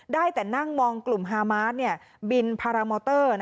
ได้แต่นั่งมองกลุ่มฮามาสบินพารามอเตอร์